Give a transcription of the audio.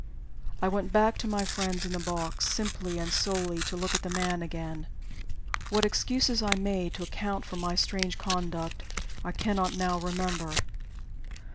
I went back to my friends in the box, simply and solely to look at the man again. What excuses I made to account for my strange conduct I cannot now remember.